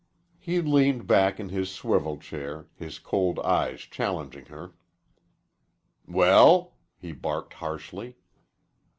He leaned back in his swivel chair, his cold eyes challenging her. "Well," he barked harshly.